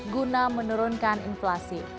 guna menurunkan inflasi